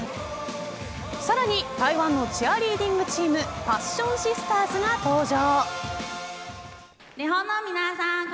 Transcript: さらに台湾のチアリーディングチームパッションシスターズが登場。